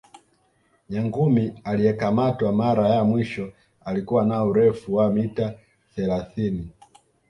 nyangumi aliyekamatwa mara ya mwisho alikuwa na urefu wa mita thelathini